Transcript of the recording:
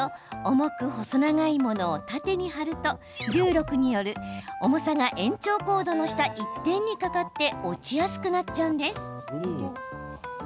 重く細長いものを縦に貼ると重力による重さが延長コードの下一点にかかって落ちやすくなります。